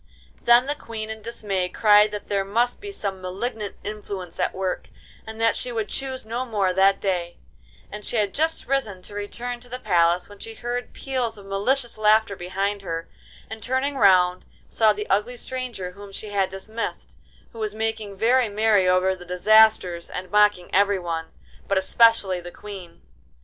Then the Queen in dismay cried that there must be some malignant influence at work, and that she would choose no more that day; and she had just risen to return to the palace when she heard peals of malicious laughter behind her, and turning round saw the ugly stranger whom she had dismissed, who was making very merry over the disasters and mocking everyone, but especially the Queen.